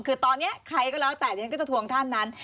คือตอนนี้ใครก็แล้วแต่ดิฉันก็จะทวงท่านนั้น